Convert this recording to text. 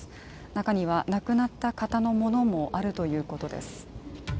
中には亡くなった方のものもあるということです。